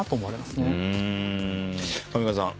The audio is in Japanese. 上川さん